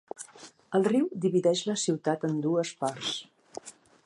El riu divideix la ciutat en dues parts.